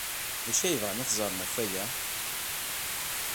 D acu ay bɣan ad t-ẓren ɣef waya?